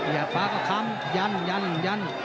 อย่าปลาก็คำยันยันยัน